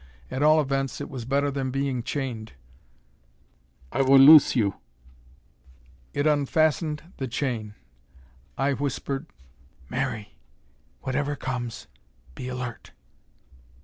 At all events it was better than being chained. "I will loose you." It unfastened the chain. I whispered: "Mary, whatever comes, be alert."